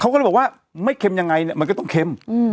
เขาก็เลยบอกว่าไม่เค็มยังไงเนี่ยมันก็ต้องเค็ม